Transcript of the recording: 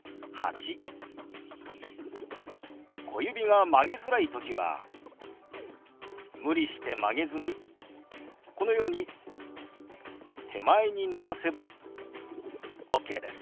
小指が曲げづらい時は無理して曲げずにこのように手前に伸ばせばオッケーです。